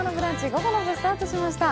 午後の部、スタートしました。